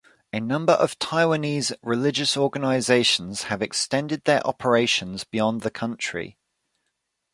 A number of Taiwanese religious organizations have extended their operations beyond the country.